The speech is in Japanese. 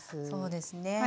そうですね